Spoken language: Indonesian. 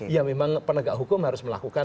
ya memang penegak hukum harus melakukan